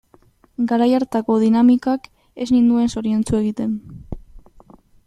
Garai hartako dinamikak ez ninduen zoriontsu egiten.